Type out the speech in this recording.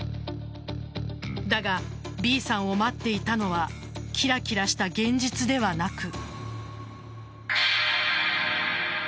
だが、Ｂさんを待っていたのはキラキラした現実ではなく。